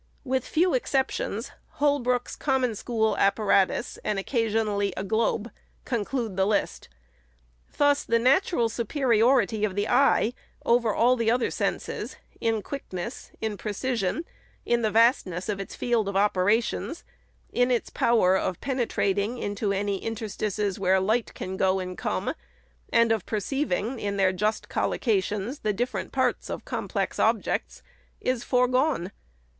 With few exceptions, Hoi brook's Common School apparatus, and occasionally a globe, conclude the list. Thus the natural superiority of the eye over all the other senses, in quickness, in precision, in the vastness of its field of operations, in its power of penetrating into any interstices where light can go and come, and of perceiving, in their just collocations, the different parts of complex objects, is foregone.